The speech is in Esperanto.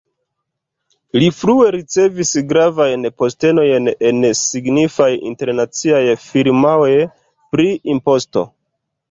Li frue ricevis gravajn postenojn en signifaj internaciaj firmaoj pri imposto.